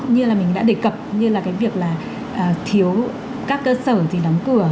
như là mình đã đề cập như là cái việc là thiếu các cơ sở thì đóng cửa